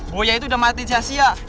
buaya itu udah mati jahsia